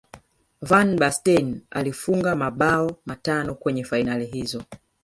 van basten alifunga mabao matano kwenye fainali hizo